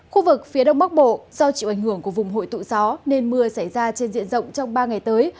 khu vực phía đông bắc bộ do chịu ảnh hưởng của vùng hội tụ gió nên mưa xảy ra trên diện rộng trong ba ngày tới